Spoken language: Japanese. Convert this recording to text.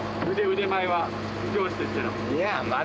腕前は漁師としての。